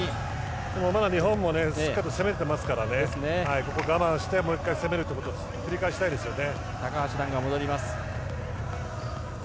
まだ日本もしっかり攻めていますからここ我慢してもう１回攻めるということを繰り返したいですね。